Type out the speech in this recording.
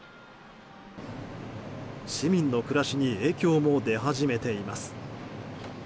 市民の暮らしに影響が出始めています。